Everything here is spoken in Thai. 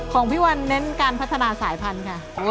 ของพี่วันเน้นการพัฒนาสายพันธุ์ค่ะ